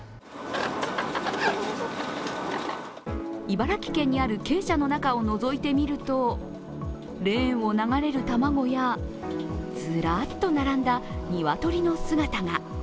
茨城県にある鶏舎の中をのぞいてみると、レーンを流れる卵や、ずらっと並んだニワトリの姿が。